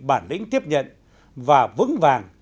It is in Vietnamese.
bản lĩnh tiếp nhận và vững vàng